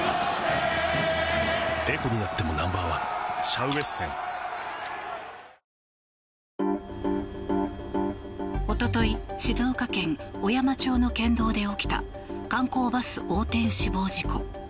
サントリー「セサミン」一昨日静岡県小山町の県道で起きた観光バス横転死亡事故。